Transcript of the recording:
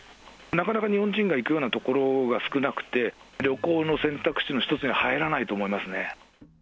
なかなか日本人が行くような所が少なくて、旅行の選択肢の一つに入らないと思いますね。